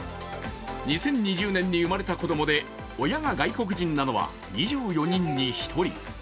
２０２０年に生まれた子供で親が外国人なのは２４人に１人。